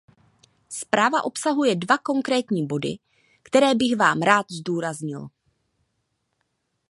Zpráva obsahuje dva konkrétní body, které bych rád zdůraznil.